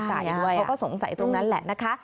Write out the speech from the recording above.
เขาก็สงสัยตรงนั้นแหละนะคะ